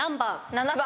７番。